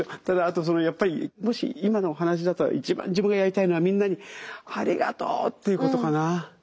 ただあとやっぱりもし今のお話だと一番自分がやりたいのはみんなに「ありがとう！」って言うことかな。